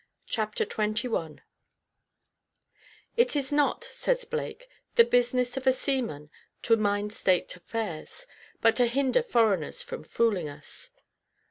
Chapter XXI "It is not," says Blake, "the business of a seaman to mind state affairs, but to hinder foreigners from fooling us."